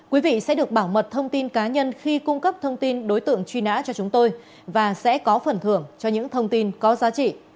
quý vị sẽ được bảo mật thông tin cá nhân khi cung cấp thông tin đối tượng truy nã cho chúng tôi và sẽ có phần thưởng cho những thông tin có giá trị